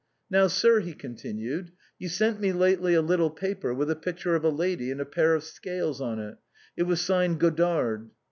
" Now, sir," he continued, "you sent me lately a little paper, with a picture of a lady and a pair of scales on it. It was signed Godard."